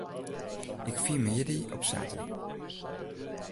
Ik fier myn jierdei op saterdei.